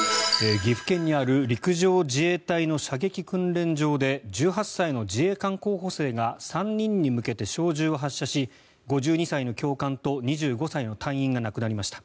岐阜県にある陸上自衛隊の射撃訓練場で１８歳の自衛官候補生が３人に向けて小銃を発射し５２歳の教官と２０代の自衛隊員が亡くなりました。